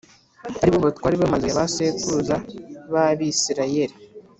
ari bo batware b’amazu ya ba sekuruza b’Abisirayeli